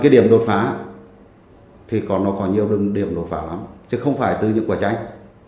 cái điểm đột phá thì nó có nhiều điểm đột phá lắm chứ không phải từ những quả tranh